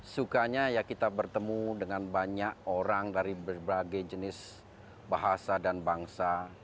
sukanya ya kita bertemu dengan banyak orang dari berbagai jenis bahasa dan bangsa